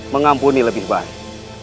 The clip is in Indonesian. mengampuni lebih baik